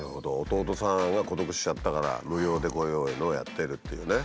弟さんが孤独死しちゃったから無料でこういうのをやっているっていうね。